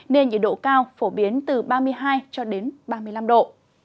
nên nhiệt độ cao phổ biến từ ba mươi hai cho đến ba mươi năm độ